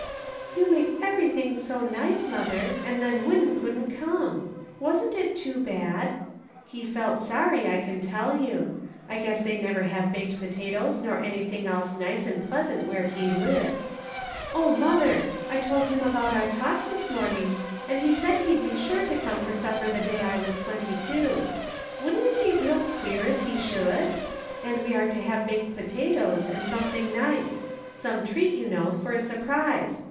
" You make everything so nice, mother, and then Win couldn't come. Wasn't it too bad ? He felt sorry, I can tell you. I guess they never have baked potatoes nor anything else nice and pleas ant where he lives. O, mother ! I told him about our talk this morning, and he said he'd be sure to come to supper the day I was twenty two. Wouldn't it be real queer if he should ? And we are to have baked potatoes, and something nice ; some treat, you know, for a surprise.